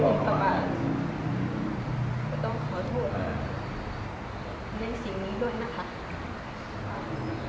ก็ต้องขอโทษในสิ่งนี้ด้วยนะคะ